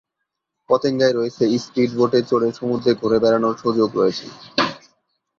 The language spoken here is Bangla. পতেঙ্গায় রয়েছে স্পীড-বোটে চড়ে সমুদ্রে ঘুরে বেড়ানোর সুযোগ রয়েছে।